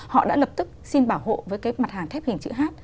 họ đã lập tức xin bảo hộ với cái mặt hàng thép hình chữ h